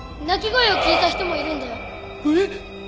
泣き声を聞いた人もいるんだよ。